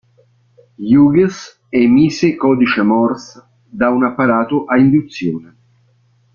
Hughes emise codice Morse da un apparato a induzione.